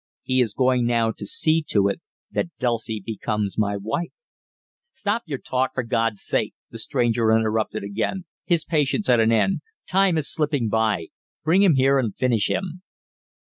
He is going now to see to it that Dulcie becomes my wife." "Stop your talk, for God's sake!" the stranger interrupted again, his patience at an end. "Time is slipping by. Bring him here and finish him."